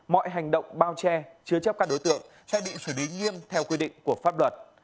mọi hành động bao che chứa chấp các đối tượng sẽ bị xử lý nghiêm theo quy định của pháp luật